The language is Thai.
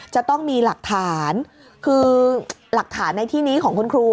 จะต้องมีหลักฐานคือหลักฐานในที่นี้ของคุณครู